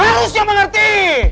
harus yang mengerti